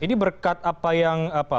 ini berkat apa yang